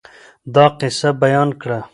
دا قصه بیان کړه.